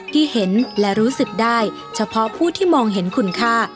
ที่เห็นและรู้สึกได้เฉพาะผู้ที่มองเห็นคุณค่า